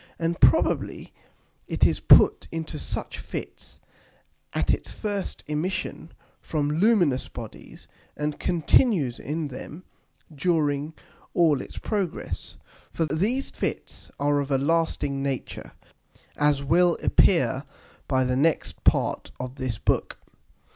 And probably it is put into such fits at its first emission from luminous Bodies, and continues in them during all its progress. For these Fits are of a lasting nature, as will appear by the next part of this Book.